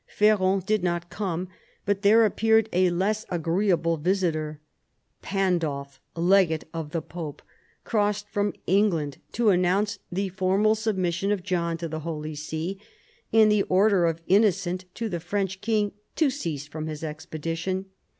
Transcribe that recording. Ferrand did not come, but there appeared a less agree able visitor. Pandulph, legate of the pope, crossed from England to announce the formal submission of John to the Holy See, and the order of Innocent to the French king to cease from his expedition.